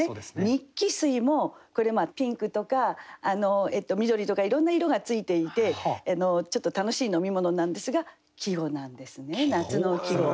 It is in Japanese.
「ニッキ水」もこれピンクとか緑とかいろんな色がついていてちょっと楽しい飲み物なんですが季語なんですね夏の季語。